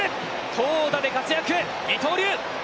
投打で活躍、二刀流。